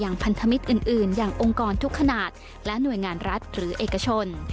องค์กรทุกขนาดและหน่วยงานรัฐหรือเอกชน